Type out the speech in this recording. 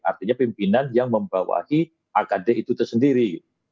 artinya pimpinan yang membawahi akade itu tersendiri